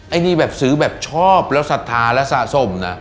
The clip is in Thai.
ไอ้นี่แบบซื้อแบบชอบแล้วสัทธาแล้วสะสมนะ